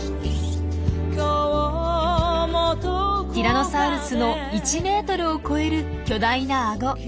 ティラノサウルスの１ｍを超える巨大なアゴ。